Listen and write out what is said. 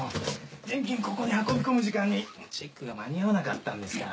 現金ここに運び込む時間にチェックが間に合わなかったんですから。